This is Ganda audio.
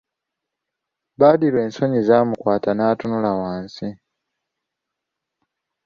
Badru ensonyi zaamukwata n'atunula wansi.